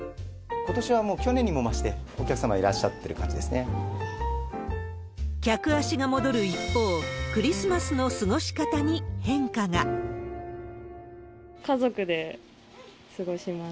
ことしはもう去年にも増して、お客様いらっしゃってる感じです客足が戻る一方、クリスマス家族で過ごします。